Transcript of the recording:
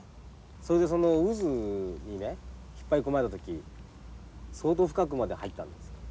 それでその渦にね引っ張り込まれた時相当深くまで入ったんですか？